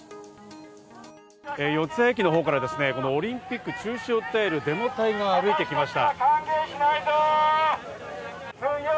四ツ谷駅のほうからオリンピック中止を訴えるデモ隊が歩いてきました。